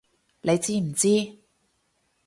你知唔知！